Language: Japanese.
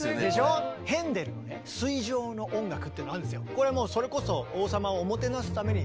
これはもうそれこそおぉ！